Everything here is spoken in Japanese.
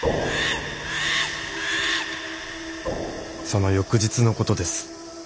その翌日のことです。